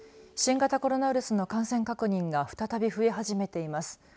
新型コロナウイルスの感染確認が再び増え始めています。